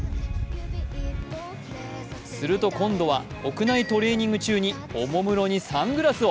すると今度は、屋内トレーニング中におもむろにサングラスを。